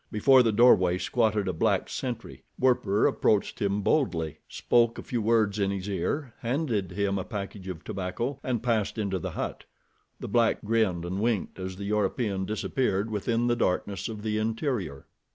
Before the doorway squatted a black sentry. Werper approached him boldly, spoke a few words in his ear, handed him a package of tobacco, and passed into the hut. The black grinned and winked as the European disappeared within the darkness of the interior.